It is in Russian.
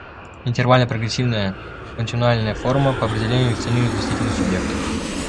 Интервально-прогрессийная континуальная форма, по определению, эволюционирует в действительный субъект.